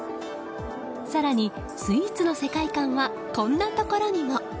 更に、スイーツの世界観はこんなところにも。